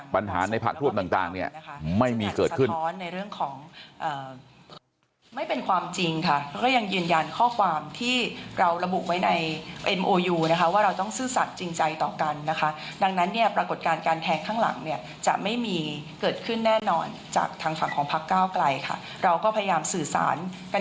ปัญหาในภาคร่วมต่างไม่มีเกิดขึ้น